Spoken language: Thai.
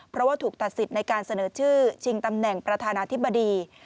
เพราะว่าถูกตัดสิทธิ์ในการเสนอชื่อชิงตำแหน่งประธานาธิบดี